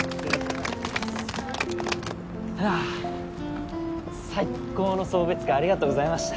はぁ最高の送別会ありがとうございました。